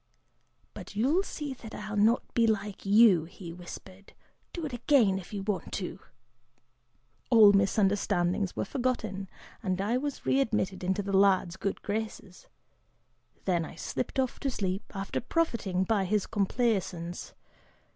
'But you'll see that I'll not be like you,' he whispered; 'do it again, if you want to!' All misunderstandings were forgotten and I was readmitted into the lad's good graces. Then I slipped off to sleep, after profiting by his complaisance.